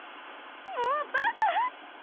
もうバカ！